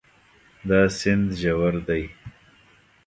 دا سیند ژور ده